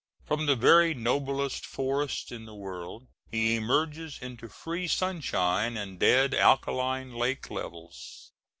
From the very noblest forests in the world he emerges into free sunshine and dead alkaline lake levels.